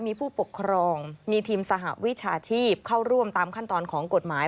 มีผู้ปกครองมีทีมสหวิชาชีพเข้าร่วมตามขั้นตอนของกฎหมาย